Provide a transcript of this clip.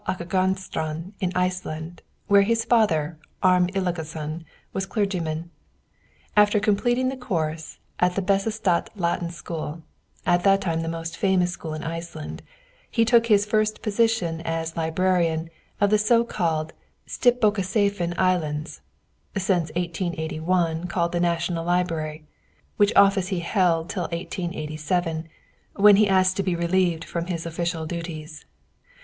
Akàgaströnd, in Iceland, where his father, Arm Illugason, was clergyman. After completing the course at the Bessastad Latin School, at that time the most famous school in Iceland, he took his first position as librarian of the so called Stiptbókasafn Islands (since 1881 called the National Library), which office he held till 1887, when he asked to be relieved from his official duties.